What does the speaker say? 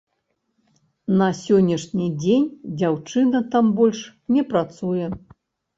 На сённяшні дзень дзяўчына там больш не працуе.